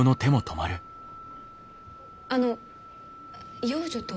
あの養女とは？